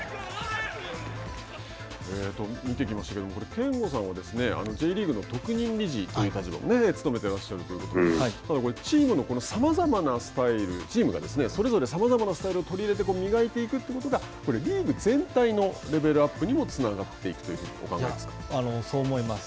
見ていきましたけど憲剛さんはＪリーグの特任理事という立場を務めていらっしゃるということでチームのさまざまなスタイルチームがそれぞれさまざまなスタイルを取り入れて磨いていくということがリーグ全体のレベルアップにもつながっていくそう思います。